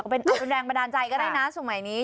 เป็นแรงบันดาลใจก็ได้นะสมัยนี้